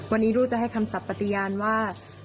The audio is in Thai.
วันนี้ลูกจะให้คำสับปฏิญาณว่า